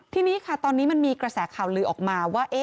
ทีนี้ค่ะตอนนี้มันมีกระแสข่าวลือออกมาว่า